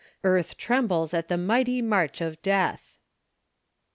Earth trembles at the mighty march of death."